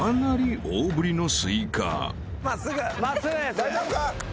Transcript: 大丈夫か？